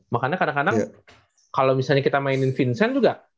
makanya kadang kadang kalau misalnya kita mainin vincent juga